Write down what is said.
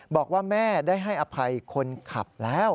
บอกว่าแม่ได้ให้อภัยคนขับแล้ว